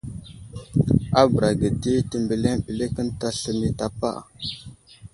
A bəra ge di təmbəliŋ ɓəlik ənta sləmay i tapa.